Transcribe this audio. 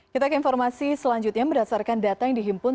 kita ke informasi selanjutnya berdasarkan data yang dihimpun